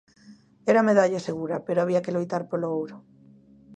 Era medalla segura, pero había que loitar polo ouro.